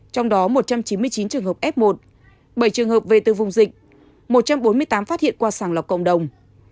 trong đó một trăm chín mươi chín trường hợp f một bảy trường hợp về từ vùng dịch một trăm bốn mươi tám phát hiện qua sàng lọc cộng đồng